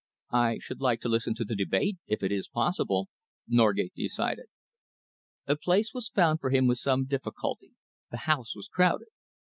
"I should like to listen to the debate, if it is possible," Norgate decided. A place was found for him with some difficulty. The House was crowded.